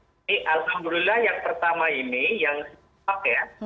ini alhamdulillah yang pertama ini yang sifat ya